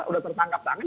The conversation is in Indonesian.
udah tertangkap tangan